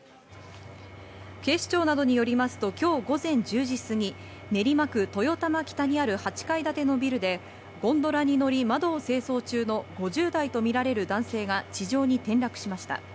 警視庁などによりますと、今日午前１０時過ぎ、練馬区豊玉北にある８階建てのビルでゴンドラに乗り窓を清掃中の５０代とみられる男性が地上に転落しました。